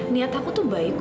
niat aku tuh baik